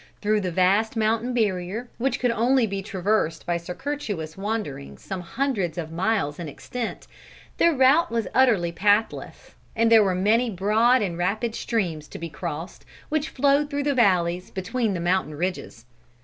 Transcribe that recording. Through the vast mountain barrier, which could only be traversed by circuitous wanderings some hundreds of miles in extent, their route was utterly pathless, and there were many broad and rapid streams to be crossed, which flowed through the valleys between the mountain ridges.